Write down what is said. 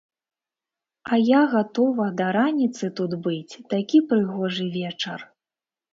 А я гатова да раніцы тут быць, такі прыгожы вечар.